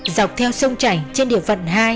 dọc theo sông chảnh trên địa phận hai